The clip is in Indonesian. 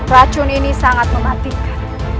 racun ini sangat mematikan